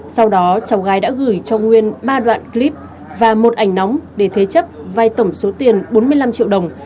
sau đó cháu gái đã gửi cho nguyên ba đoạn clip và một ảnh nóng để thế chấp vai tổng số tiền bốn mươi năm triệu đồng